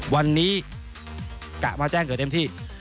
วันนี้กะมาแจ้งเกิดเต็มที่